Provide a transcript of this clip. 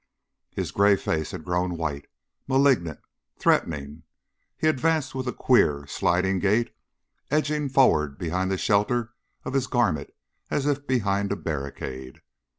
His gray face had grown white, malignant, threatening; he advanced with a queer, sidling gait, edging forward behind the shelter of his garment as if behind a barricade.